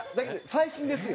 「最新」ですよ？